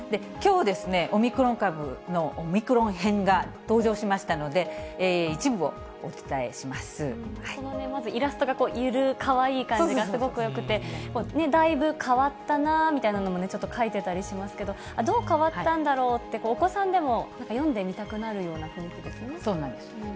きょう、オミクロン株のオミクロン編が登場しましたので、一部をお伝えしまず、イラストがゆるかわいい感じがすごくよくて、だいぶ変わったなーみたいなのもちょっと描いてたりしますけど、どう変わったんだろうって、お子さんでも読んで見たくなるようなイラストですね。